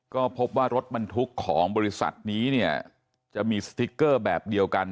ก็พบว่ารถบรรทุกของบริษัทนี้เนี่ยจะมีสติ๊กเกอร์แบบเดียวกัน